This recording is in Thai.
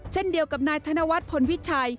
เช่นเดียวกับนายธนวัฒน์พลวิชัย